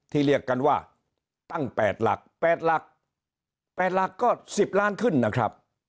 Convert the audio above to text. ที่เรียกกันว่าตั้งแปดหลักแปดหลักแปดหลักก็สิบล้านขึ้นนะครับ